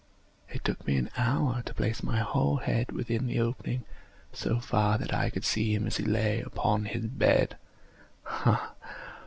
It took me an hour to place my whole head within the opening so far that I could see him as he lay upon his bed.